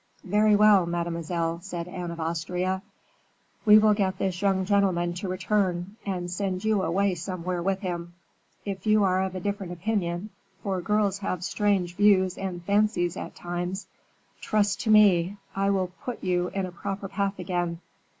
"Very well, mademoiselle!" said Anne of Austria, "we will get this young gentleman to return, and send you away somewhere with him. If you are of a different opinion for girls have strange views and fancies at times trust to me, I will put you in a proper path again.